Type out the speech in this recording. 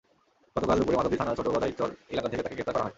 গতকাল দুপুরে মাধবদী থানার ছোট গদাইরচর এলাকা থেকে তাঁকে গ্রেপ্তার করা হয়।